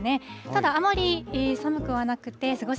ただ、あまり寒くはなくて、過ご